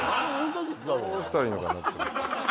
どうしたらいいのかな。